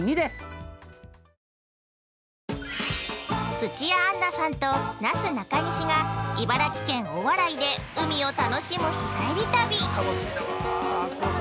◆土屋アンナさんとなすなかにしが茨城県・大洗で海を楽しむ日帰り旅。